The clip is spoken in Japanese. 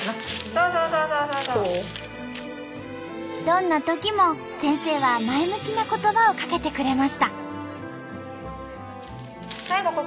どんなときも先生は前向きな言葉をかけてくれました。